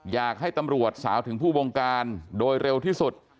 อยากให้ตำรวจสาวถึงผู้บงการโดยเร็วที่สุด